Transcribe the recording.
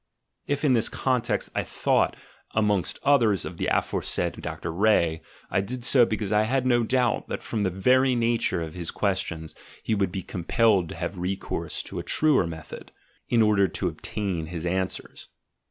If, in this context, I thought, amongst others, of the aforesaid Dr. Ree, I did so because I had no doubt that from the very nature of his questions he would be com pelled to have recourse to a truer method, in order to ob tain his answers.